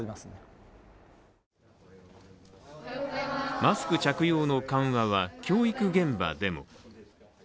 マスク着用の緩和は教育現場でも。